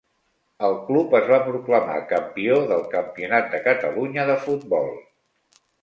El club es va proclamar campió del Campionat de Catalunya de futbol.